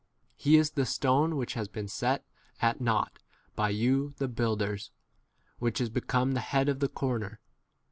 This is the stone which was set at naught of you builders, which is become the head of the corner.